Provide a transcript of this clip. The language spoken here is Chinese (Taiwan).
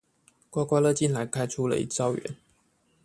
刮刮樂竟然開出了一兆元